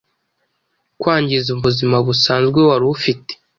Kwangiza ubuzima busanzwe wari ufite